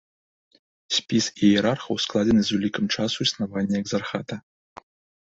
Спіс іерархаў складзены з улікам часу існавання экзархата.